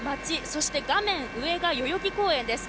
そして画面上が代々木公園です。